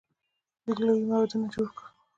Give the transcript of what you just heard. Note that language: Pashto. دوی لوی معبدونه جوړ کړل.